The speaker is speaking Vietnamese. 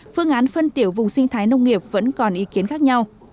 phương án phân tiểu vùng sinh thái nông nghiệp vẫn còn ý kiến khác nhau